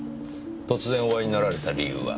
突然お会いになられた理由は？